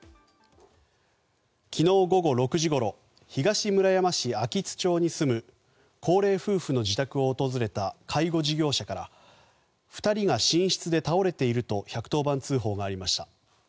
昨日午後６時ごろ東村山市秋津町に住む高齢夫婦の自宅を訪れた介護事業者から２人が寝室で倒れていると１１０番通報がありました。